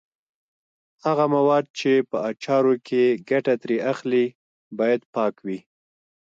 هغه مواد چې په اچارو کې ګټه ترې اخلي باید پاک وي.